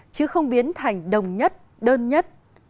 chứ không biến thành đồng nhất đơn nhất